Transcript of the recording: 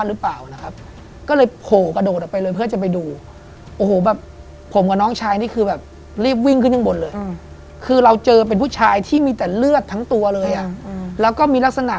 เขาออกมาบ้างไหมอ่ะอยู่ที่บ้านอ่ะ